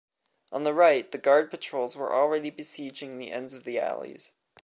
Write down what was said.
On the right, the guard patrols were already besieging the ends of the alleys.